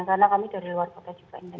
karena kami dari luar kota juga